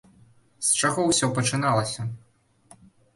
З чаго ўсё пачыналася?